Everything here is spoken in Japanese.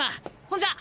ほんじゃ！